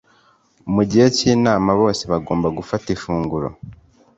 mu gihe cy’inama bose bogomba gufata ifunguro